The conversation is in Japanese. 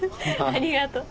ありがとう。